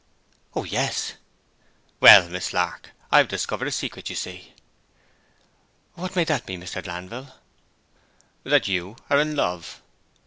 'O yes!' 'Well, Miss Lark, I've discovered a secret, you see.' 'What may that be, Mr. Glanville?' 'That you are in love.'